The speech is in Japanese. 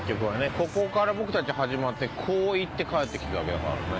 ここから僕たち始まってこう行って帰ってきたわけだからね。